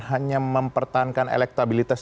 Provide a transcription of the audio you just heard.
hanya mempertahankan elektabilitas